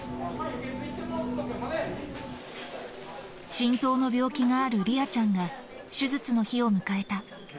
心臓の病気があるりあちゃんが、手術の日を迎えた。